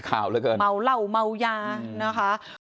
เมาเหล้าเมายานะคะ